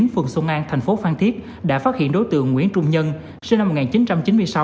phường xuân an thành phố phan thiết đã phát hiện đối tượng nguyễn trung nhân sinh năm một nghìn chín trăm chín mươi sáu